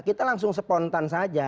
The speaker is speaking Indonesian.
kita langsung spontan saja